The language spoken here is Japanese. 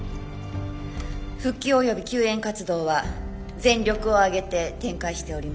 復旧および救援活動は全力を挙げて展開しております。